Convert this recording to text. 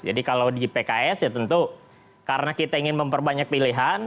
jadi kalau di pks ya tentu karena kita ingin memperbanyak pilihan